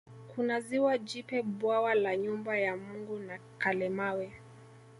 Kuna ziwa Jipe bwawa la Nyumba ya Mungu na Kalemawe